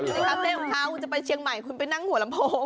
อยู่ที่ซ้ำเต้วของเขาจะไปเชียงใหม่คุณไปนั่งหัวหลำโพง